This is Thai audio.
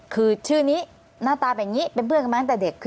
คือชื่อนี้หน้าตาแบบนี้เป็นเพื่อนกันมาตั้งแต่เด็ก